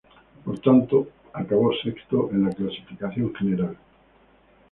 Por tanto, acabó sexto en la clasificación general.